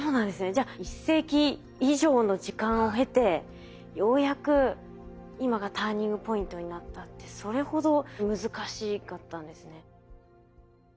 じゃあ１世紀以上の時間を経てようやく今がターニングポイントになったってそれほど難しかったんですね。